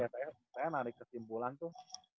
saya narik kesimpulan tuh